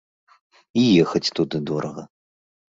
І ехаць туды дорага.